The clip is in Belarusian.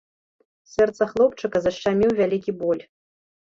Сэрца хлопчыка зашчаміў вялікі боль.